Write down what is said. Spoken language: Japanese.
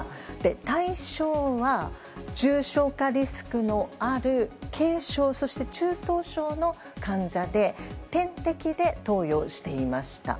対象は重症化リスクのある軽症、そして中等症の患者で、点滴で投与していました。